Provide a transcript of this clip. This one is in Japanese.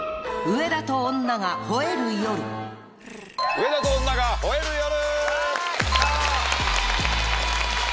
『上田と女が吠える夜』！